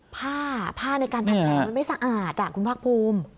ผ้าผ้าในการแผ่นแผ่นมันไม่สะอาดอ่ะคุณพักภูมิ